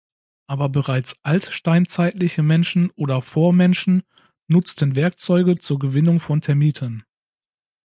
Aber bereits altsteinzeitliche Menschen oder Vormenschen nutzten Werkzeuge zur Gewinnung von Termiten.